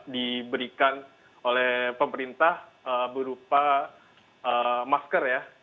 diberikan oleh pemerintah berupa masker ya